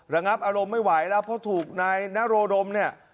ระงับอารมณ์ไม่ไหวแล้วเพราะถูกนายนโรดมเนี่ย